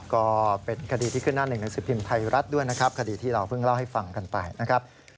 ก็เป็นคดีที่ขึ้นหน้าหนึ่งหนังสือพิมพ์ไทยรัฐด้วยนะครับคดีที่เราเพิ่งเล่าให้ฟังกันไปนะครับ